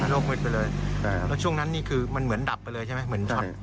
โรคมืดไปเลยแล้วช่วงนั้นนี่คือมันเหมือนดับไปเลยใช่ไหมเหมือนดับ